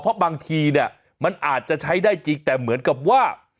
เพราะบางทีเนี่ยมันอาจจะใช้ได้จริงแต่เหมือนกับว่า